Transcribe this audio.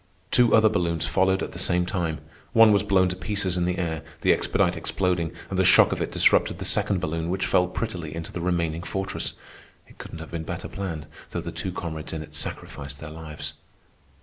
Two other balloons followed at the same time. One was blown to pieces in the air, the expedite exploding, and the shock of it disrupted the second balloon, which fell prettily into the remaining fortress. It couldn't have been better planned, though the two comrades in it sacrificed their lives.